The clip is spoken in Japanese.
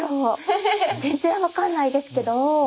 全然分かんないですけど。